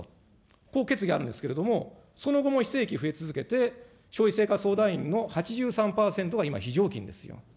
こう決議あるんですけれども、その後も非正規増え続けて、消費生活相談員の８３％が今、非常勤ですよ。